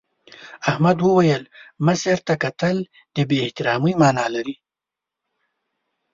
احمد وویل مشر ته کتل د بې احترامۍ مانا لري.